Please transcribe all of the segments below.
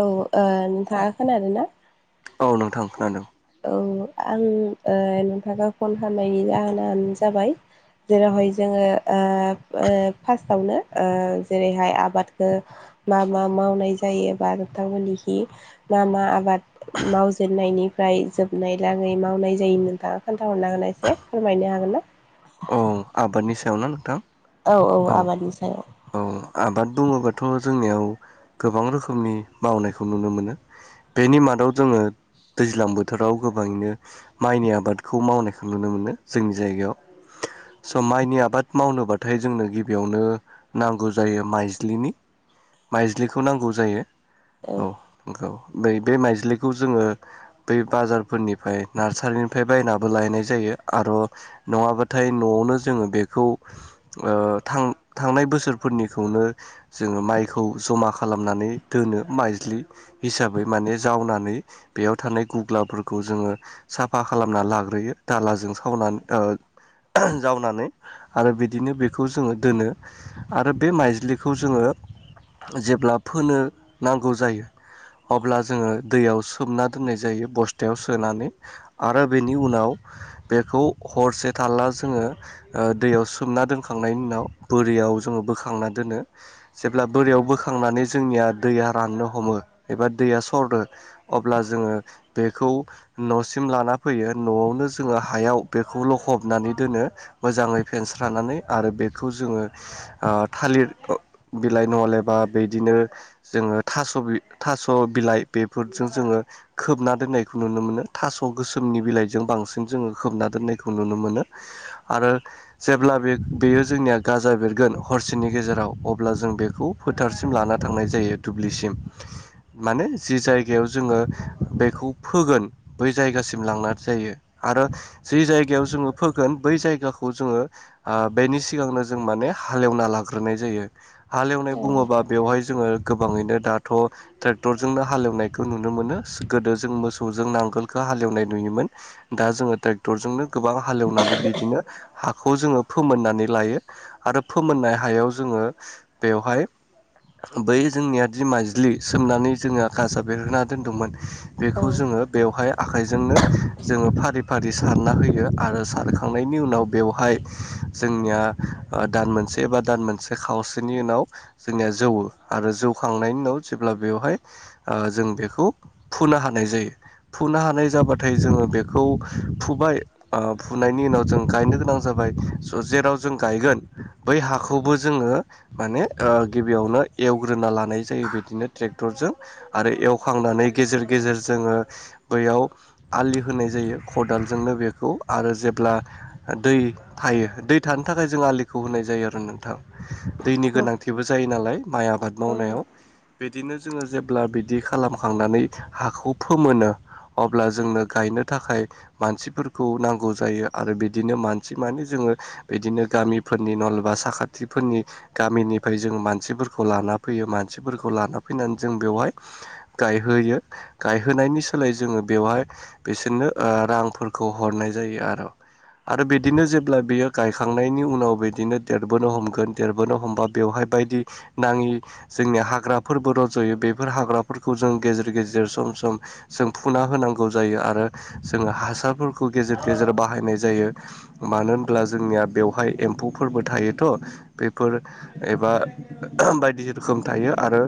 औ ओ नोंथाङा खोनादोना औ नोंथां खोनादों आं ओ नोंथानो फन खामनायनि जाहोनानो जाबाय जेरावहाय जोङो ओ फास्टआवनो ओ जेरैहाय आबादखो मा मा मावनाय जायो बा नोथां मोननिखि मा मा आबाद मावजेननायनिफ्राय जोबनाय लागै माव नाय जायो नोंथाङा खोन्थाहरनो हागोना एसे फोरमायनो हागोन ना औ आबादनि सायाव ना नोंथां औ औ आबादनि सायाव औ आबाद बुङोबाथ' जोंनियाव गोबां रोखोमनि मावनायखौ नुनो मोनो बेनि मादाव जोङो दैज्लां बोथोराव गोबाङैनो माइनि आबादखौ मावनायखो नुनो मोनो जोंनि जायगायाव स' माइनि आबाद मावनोबाथाय जोंनो गिबियावनो नांगौ जायो माइज्लिनि माइज्लिखौ नांगौ जायो औ नोंगौ बै बे माइज्लिखौ जोङो बै बाजारफोरनिफाय नार्सारिनिफाय बायनाबो लायनाय जायो आर' नङाबाथाय न'आवनो जोङो बेखौ ओ थां-थांनाय बोसो रफोरनिखौनो जोङो माइखौ जमा खालामनानै दोनो माइज्लि हिसाबै माने जावनानै बेयाव थानाय गुग्लाफोरखौ जोङो साफा खालामना लाग्रोयो दालाजों [unintelligible] ओ जावनानै आरो बिदिनो बेखौ जोङो दोनो आरो बे माइज्लिखौ जोङो जेब्ला फोनो नांगौ जायो अब्ला जोङो दैयाव सोमना दोननाय जायो बस्थायाव सोनानै आरो बेनि उनाव बेखौ हरसे थाल्ला जोङो ओ दैयाव सोमना दोनखांनायनि उनाव बोरियाव जोङो बोखांना दोनो जेब्ला बोरियाव बोखांनानै जोंनिया दैया राननो हमो एबा दै या सरदो अब्ला जोङो बेखौ न'सिम लाना फैयो न'आवनो जोङो हायाव बेखौ लखबनानै दोनो मोजाङै फेनस्रानानै आरो बेखौ जोङो ओ थालिर बिलाइ नहलेबा बेदिनो जोङो थास' बि थास' बि लाइ बेफोरजों जोङो खोबना दोननायखो नुनो मोनो थास' गोसोमनि बिलाइजों बांसिन जोङो खोबना दोननायखौ नुनो मोनो आरो जेब्ला बे बेयो जोंनिया गाजा बेरगोन हरसेनि गेजेराव अब्ला जों बेखौ फोथारसिम लाना थांनाय जायो दुब्लिसिम माने जि जायगायाव जोङो बेखौ फोगोन बै जायगासिम लांना जायो आरो जि जायगायाव जोङो फोगोन बै जायगाखौ जोङो ओ बेनि सिगांनो जों माने हालेवना लाग्रोनाय जायो औ हालेवनाय बुङोबा बेवहाय जोङो गोबाङैनो दाथ' ट्रेक्टर जोंनो हालेवनायखौ नुनो मोनो गोदो जों मोसौजों नांगोलखो हालेवनाय नुयोमोन दा जोङो ट्रेक्टरजोंनो गोबां हालेवनानै बिदिनो हाखौ जोङो फोमोननानै लायो आरो फोमोननाय हायाव जोङो बेवहाय बै जोंनियादि माइज्लि सोमनानै जोङा गासा बेरहोना दोनदोंमोन औ बेखौ जोङो बेवहाय आखाइजोंनो जोङो फारि फारि सारना होयो आरो सारखांनायनि उनाव बेवहाय जोंनिया ओ दान मोनसे बा दान मोनसे खावसेनि उनाव जोंनिया जौवो आरो जौखांनायनि उनाव जेब्ला ओ बेवहाय ओ जों बेखौ फुना हानाय जायो फुना हानाय जाबाथाय जोङो बे खौ फुबाय ओ फुनायनि उनाव जों गायनो गोनां जाबाय स जेराव जों गायगोन बै हाखौबो जोङो माने ओ गिबियावनो एवग्रोना लानाय जायो बिदिनो ट्रे क्टरजों आरो एवखांनानै गेजेर गेजेर जोङो बैयाव आलि होनाय जा यो खादालजोंनो बेखौ आरो जेब्ला दै थायो दै थानो थाखाय जों आलि खौ होनाय जायो आरो नोंथां दैनि औ गोनांथिबो जायो नालाय माइ आबाद मावनायाव बिदिनो जोङो जेब्ला बिदि खालामखांनानै हाखौ फोमोनो अब्ला जोंनो गायनो थाखाय मानसिफोरखौ नांगौ जायो आरो बिदिनो मानसि मानि जों बिदिनो गामि फोरनि नलबा साखाथिफोरनि गामिनिफ्राय जों मानसिफोरखौ फैनानै जों बेवहाय गायहोयो गायहोनायनि सोलाय जोङो बेवहाय बिसोरनो ओ रांफोरखौ हरनाय जायो आरो आरो बिदिनो जेब्ला बियो गायखांनायनि उनाव बिदिनो देरबोनो हमगोन देरबोनो हमबा बेवहाय बायदि नाङि जोंनिया हाग्राफोरबो रज'यो बेफोर हाग्राफोरखौ जों गेजेर गेजेर सम सम जों फुना होनो नांगौ जायो आरो जोङो हासारफोरखौ गेजेर गेजेर बाहायनाय जायो मानो होनब्ला जों ज बेवहाय एम्फौ फोरबो थायोथ' बेफोर एबा बायदि रोखोम थायो आरो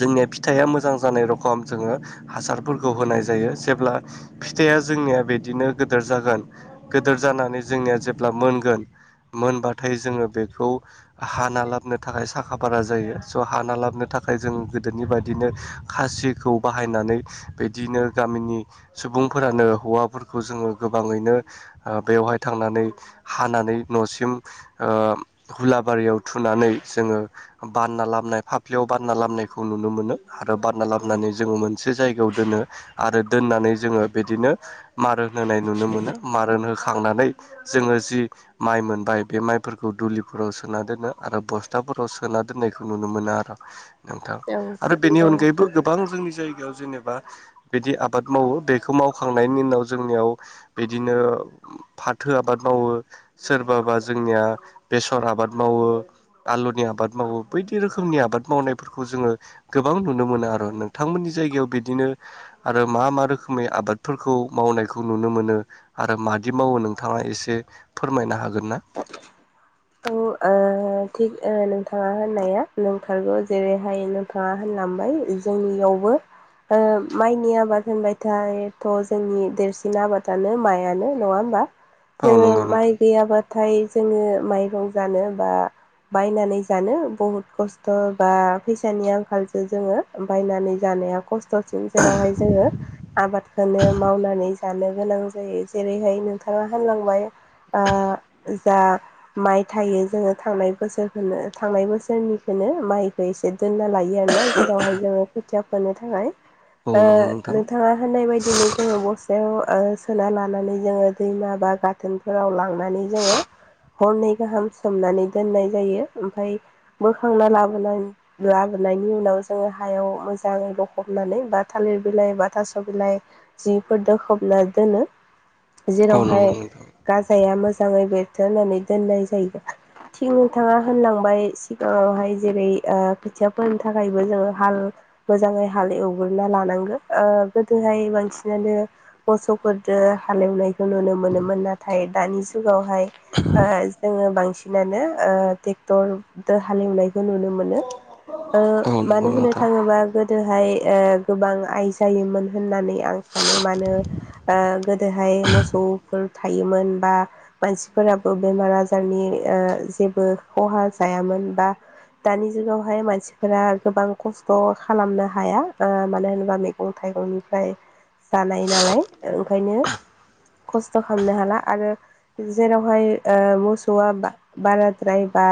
जोंनिया फिथाइया मोजां जानाय रखम जोङो हासारफोरखौ होनाय जायो जेब्ला फिथाइ देया जोंनिया बिदिनो गोदोर जागोन गोदोर जानानै जोंनिया जेब्ला मोनगोन मोनबाथाय जोङो बेखौ हाना लाबनो थाखाय साखा फारा जायो स' हाना लाबनो थाखाय जों गोदोनि बायदिनो खासिखौ बाहायनानै बिदिनो गामिनि सुबुंफोरानो हौवाफोरखौ जोङो गोबाङैनो ओ बेवहाय थांनानै हानानै न'सिम ओ हुलाबारियाव थुनानै जोङो बानना लाबनाय फाफ्लियाव बानना लाबनायखौ नुनो मोनो आरो बानना लाबनानै जोङो मोनसे जायगायाव दोनो आरो दोननानै जोङो बिदिनो मारोन होनाय नुनो मोनो मारोन होखांनानै जोङो जि माइ मोनबाय बे माइफोरखौ दुलिफोराव सोना दोनो आरो बस्थाफोराव सोना दोननायखौ नो नुनो मोनो आरो नोंथां आरो बेनि औ अनगायैबो गोबां जोंनि जायगायाव जेनेबा बिदि आबाद मावो बेखौ मावखांनायनि उनाव जोंनियाव बिदिनो फाथो आबाद मावो सोरबाबा जोंनिया बेसर आबाद मावो आलुनि आबाद मावो बायदि रोखोमनि आबाद मावनायफोरखौ जोङो गोबां नुनो मोनो आरो नोंथांमोननि जायगायाव बिदिनो आरो मा मा रोखोमै आबादफोरखौ मावनायखौ नुनो मोनो आरो मा मादि मावो नोंथाङा एसे फोरमायनो हागोन ना? औ। ओ थिग ओ नोंथाङा होननाया नंथारगौ जेरैहाय नोंथाङा होनलांबाय जोंनियावबो ओ माइनि आबाद होनबथायथ' जोंनि देरसिन आबादानो माइयानो नङा होमबा? औ जोङो नंगौ माइ नोंथां गैयाबाथाय जोङो माइरं जानो बा बायनानै जानो बहुद खस्थ' बा फैसानि आंखालसो जोङो बायनानै जानाया खस्थ'सिन जेरावहाय जोङो आबादखौनो मावनानै जानो गोनां जायो जेरैहाय नोंथाङा होनामलांबाय ओ जा माइ थायो जोङो थांनाय बोसोरखौनो थांनाय बोसोरनिखौनो माइखौ एसे दोनना लायो आरोना जेरावहाय जोङो खोथिया फोनो थाखाय औ ओ नंगौ नोंथां नोंथाङा होननाय बायदिनो जोङो बस ओ ओ सोना लानानै जोङो दैमा बा गाथोनफोराव लांनानै जोङो हरनै गाहाम सोमनानै दोननाय जायो ओमफ्राय बोखांना लाबोन लाबोनाय बेनि उनाव जोङो हायाव मोजाङै बफबनानै बा थालिर बिलाइ बा थास' बिलाइ जि दोखबना दोनो औ जेरावहाय नंगौ नोंथां गाजाया मोजाङै बेरथो होननानै दोननाय जायो। थिग नोंथाङा होनलांबाय सिगाङावहाय जेरै ओ खोथियाफोरनि थाखायबो जोङो हाल मोजाङै हाल एवग्रोना लानांगो ओ गोदोहाय बांसिनानो मोसौफोरजों ओ हालेवनायखौ नुनो मोनोमोन नाथाय दानि जुगावहाय ओ जोङो बांसिनानो ओ ट्रेक्टर दो हालेवनायखौ नुनो मोनो। ओ औ नंगौ मानो होनो नोंथां थाङोबा गोदोहाय गोबां आइ जायोमोन होननानै आं सा नो मानो गोदोहाय मोसौफोर थायोमोन बा मानसिफोरा बेमार आजारनि ओ जेबो खहा जायामोन बा दानि जुगावहाय मानसिफोरा गोबां खस्थ' खालामनो हाया ओ मानो होनोबा मैगं थाइग थाइगंनिफ्राय जानाय नालाय ओंखायनो खस्थ' खालामनो हाला आरो जेरावहाय ओ मोसौआ बाराद्राय बा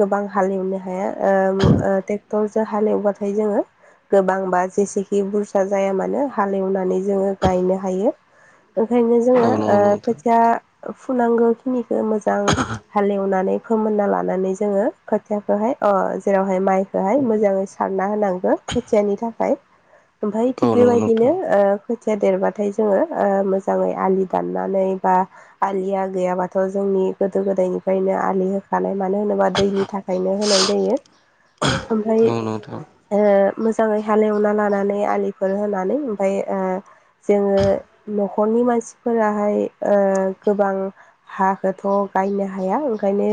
गोबां हालेवनो हाया ओ दरजो हालेवब्लााथाय जोङो गोबांबा जेसेखि बुरजा जाया मानो हालेवनानै जोङो गायनो हायो। ओंखायनो औ जोङो नंगौ नोंथां खोथिया फुनांगौ खिनि मोजां हालेवनानै फोमोनना लानानै जोङो खोथियाखौहाय ओ जेरावहाय माइ खौहाय मोजाङै सारना होनांगौ खोथियानि थाखाय ओमफाय औ थिग नंगौ बेबायदिनो नोंथां ओ खोथिया देरबाथाय जोङो मोजाङै आलि दाननानै बा आलिया गैयाबाथाय थ' जोंनि गोदो गोदायनिफ्रायनो आलि होखानाय मानो होनोबा दैनि थाखायनो होनाय जायो। ओमफाय औ नोंथां ओ मोजाङै हालेवना लानानै आलिफोर होनानै ओमफाय जोङो न'खरनि नि मानसिफोराहाय ओ गोबां हाखौथ' गायनो हाया ओंखायनो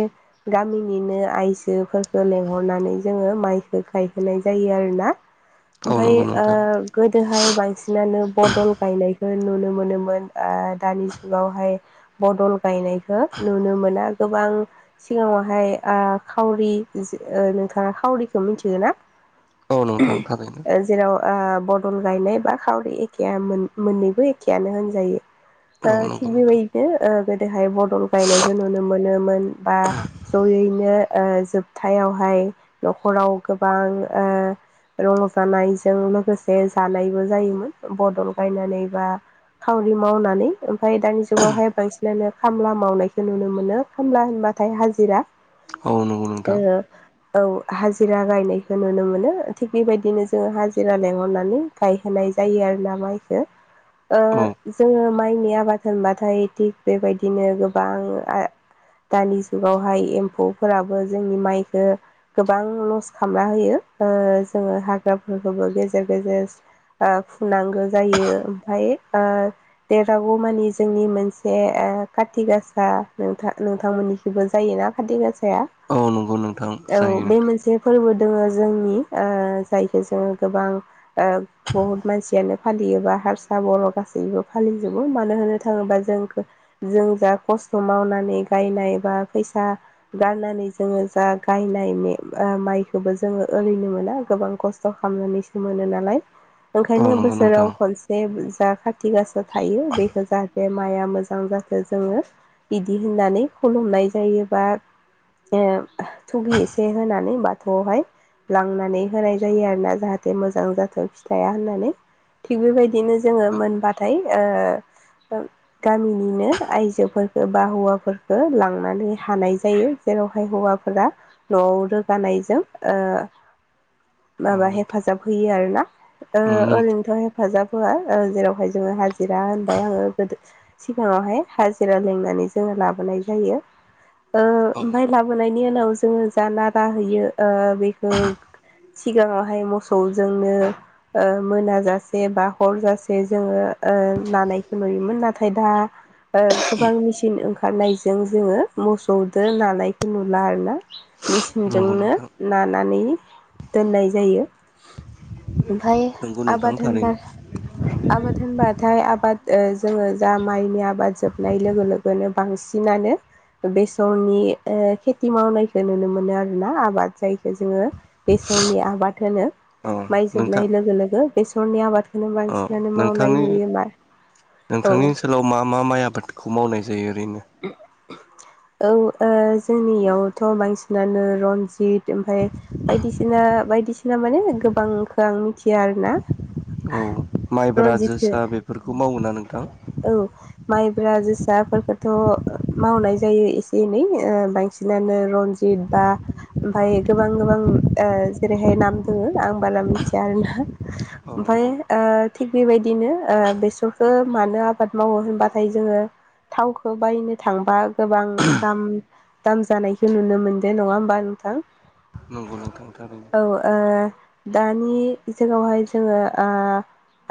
गामिनिनो आइजोफोरखौ लेंहरनानै माइखौ गायहोनाय जायो आरोना औ ओमफ्राय नंगौ नोंथां गोदोहाय बांसिनानो बदल गायनायखौ नुनो मोनोमोन दानि जुगावहाय बदल बायनायखौ नुनो मोना गोबां सिगाङावहाय खावरि न खावरिखौ मिथिगोना औ नोंथां थारैनो ओ बदल गायनाय बा खावरि एखेया मोननैबो एखेयानो होनजायो औ थिग नंगौ नोंथां बेबायदिनो ओ गो दोहाय बदल गायनायखौ नुनो मोनोमोन बा जयैनो जोबथायावहाय न'खराव गोबां ओ रंजानायजों लोगोसे जानायबो जायोमोन बदल गायनानै बा खावरि मावनानै ओमफाय दानि जुगावहाय बांसिन बिनो खामला मावनायखौ नुनो मोनो खामला होनबाथाय हाजिरा औ नंगौ ओ नोंथां औ हाजिरा गायनायखौ नुनो मोनो थिग बेबायदिनो जोङो हाजिरा लेंहरनानै गायहोनाय जायो आरोना माइखौ औ जोङो माइनि आबाद होनबाथाय। बेबायदिनो गोबां दानि जुगावहाय एम्फौफोराबो जोंनि माइख गोबां लस खालामना होयो। जोङो हाग्राफोरखौबो गेजेर गेजेर फुनांगौ जायो ओमफाय देरागौमानि जोंनि मोनसे ओ कारत गासा नों-नोंथांमोननिखबो जायोना कत गासा या औ नंगौ नोंथां औ जायो बे नोंथां मोनसे फोरबो दोङो जोंनि जायखौ जोङो गोबां बहुत मानसियानो फालियोबा हारसा बर' गासैबो फालिजोबो मानो होननो थाङोबा जों जों जा खस्थ' मावनानै गायनाय बा फैसा गारनानै जोङो जा गायनाय माइखौबो जोङो ओरैनो मोना गोबां खस्थ' खालामनानैसो मोनो नालाय औ ओंखायनो नंगौ नोंथां बोसोराव खनसे जा खाथि गासा थायो बेखौ जाहाथे माइआ मोजां मोजां जाखो जोङो बिदि होननानै खुलुमनाय जायोबा ओ थुगि एसे होनानै बाथौआवहाय लांनानै होनाय जायो आरोना जाहाथे मोजां जाथों फिथाया होननानै थिग बेबाय दिनो नंगौ जोङो नोंथां मोनबाथाय गामि बिनो आइजोफोरफोरखौ बा हौवाफोरफोरखौ लांनानै हानाय जायो जेरावहाय हौवाफोरा न'आव रोगानायजों औ माबा नोंथां हेफाजाब होयो आरो [unintelligible] ओ उम नों ओरैनोथ' हेफाजाब होआ जेरावहाय जोङो हाजिरा होनबाय आङो गोदो सिगाङावहाय हाजिरा लेंनानै जोङो लाबोनाय जायो औ ओमफ्राय लाबोनाय बिनि उनाव जोङो जा नारा होयो ओ बेखौ सिगाङावहाय मोसौजोंनो मोनाजासे बा हर जासे जोङो ओ लानायखौ नुयोमोन नाथाय दा ओ गोबां मेचिन ओंखारनायजों जोङो मोसौजोंदो नानायखौ नुला आर ना नंगौ मेचिनजोंनो नोंथां नानानै दोननाय जायो ओमफफ्राय नंगौ नोंथां आबाद होनबा थारैनो आबाद होनबाथाय आबाद ओजोङो जा माइनि आबाद जोबनाय लोगो लोगोनो बांसिनानो बेसरनि ओ- खेथि मावनायखौ नुनो मोनो आरोना आबाद जायखौ जोङो बे जनि आबाद होनो औ माइ नोंथां जोबनाय लोगो लोगो बेसरनि आबादखौनो औ बांसिनानो मावनाय नोंथांनि नुयो मा औ नोंथांनि ओनसोलाव मा मा माइ आबादखौ मावनाय जायो ओरैनो? औ ओ जोंनियावथ' बांसिनानो रनजित ओमफफ्राय बायदिसिना बायदिसिना माने गोबांखो आं मिथिया आर ना औ माइब्रा जोसा बेफोरखौ मावो ना नोंथां? औ माइब्रा जोसा फो थ' मावनाय जायो एसे एनै ओ बांसिनानो रनजित बा ओमफफ्राय गोबां गोबां ओ- जेरैहाय नाम दङ आं बाला मिथिया आर ना औ ओमाय नंगौ नोंथां ओ- थिग बेबायदिनो ओ- बेसरखौ मानो आबाद मावो होनबाथाय जोङो थावखौ बायनो थांबा गोबां दाम दाम जानायखौ नुनो मोनदों नङा होमबा नोंथां? नंगौ न थांथारनो औ ओ दानि जुगावहाय जोङो ओ-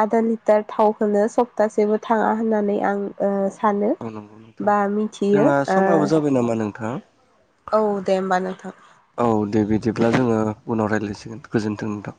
आधा लिटार थाव होनो सप्तासेबो थाङा होननानै आं ओ- सानो औ नंगौ नोंथां बा मिथियो जोंहा समाबो ओ जाबाय नामा नोंथां औ दे होमबा नोंथां। औ दे बिदिब्ला जोङो उनावाय रा गोग्लैसिगोन गोजोन्थों नोंथां